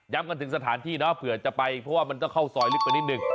กันถึงสถานที่เนาะเผื่อจะไปเพราะว่ามันก็เข้าซอยลึกไปนิดนึง